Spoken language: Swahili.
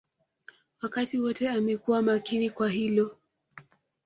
Wakati wote amekuwa makini kwa hilo